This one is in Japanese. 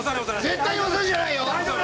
絶対押すんじゃないよ！